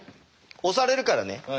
押されるからね。